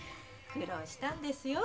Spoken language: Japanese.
苦労したんですよ